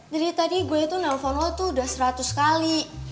jadi tadi gue tuh telfon lo tuh udah seratus kali